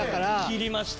切りました。